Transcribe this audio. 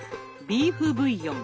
ビーフブイヨン。